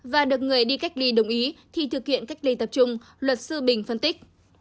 và được người đi cách ly đồng ý thì thực hiện cách ly tập trung luật sư bình phân tích